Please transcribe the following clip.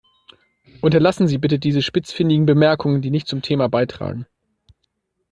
Unterlassen Sie bitte diese spitzfindigen Bemerkungen, die nichts zum Thema beitragen.